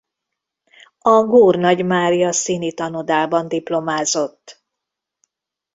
A Gór Nagy Mária Színitanodában diplomázott.